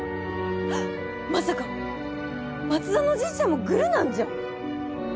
あっまさか松田のじいちゃんもグルなんじゃ？